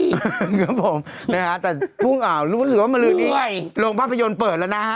ครับผมแต่คู่เห่ารู้สึกว่าลงภาพยนตร์เปิดแล้วนะ